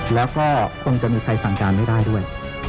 แล้วก็คงจะมีใครสั่งการไม่ได้ด้วย